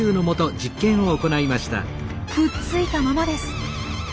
くっついたままです。